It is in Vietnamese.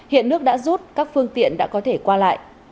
hiện nước đã rút các phương tiện đã có thể qua lại